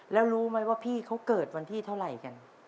แล้วรู้ไหมว่าพี่เขาเกิดวันที่เท่าไหร่กัน